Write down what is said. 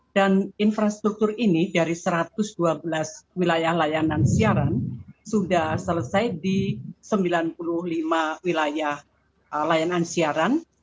dan infrastruktur ini dari satu ratus dua belas wilayah layanan siaran sudah selesai di sembilan puluh lima wilayah layanan siaran